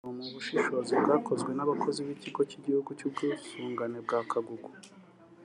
bityo mu bushishozi bwakozwe n’abakozi b’Ikigo cy’Igihugu cy’Ubwisungane ba Kagugu